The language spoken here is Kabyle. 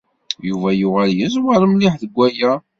Yuba yuɣal yeẓwer mliḥ deg waya.